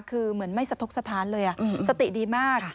คือเหมือนไม่สะทกสถานเลยสติดีมาก